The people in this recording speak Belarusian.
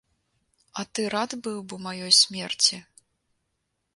А ты рад быў бы маёй смерці?